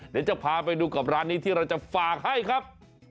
เดี๋ยวจะพาไปดูกับร้านนี้ที่เราจะฝากให้ครับ